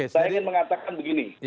saya ingin mengatakan begini